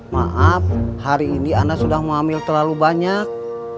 maaf hari ini anda sudah mengambil terlalu banyak